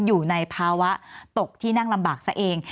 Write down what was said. อยู่ในภาวะตกที่นั่งลำบากซะเอง